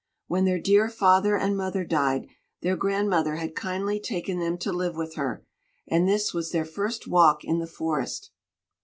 When their dear father and mother died, their grandmother had kindly taken them to live with her; and this was their first walk in the forest.